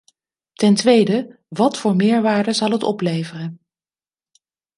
Ten tweede, wat voor meerwaarde zal het opleveren?